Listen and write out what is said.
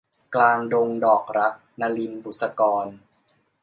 กลางดงดอกรัก - นลิน บุษกร